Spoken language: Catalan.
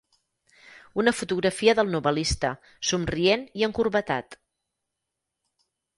Una fotografia del novel·lista, somrient i encorbatat.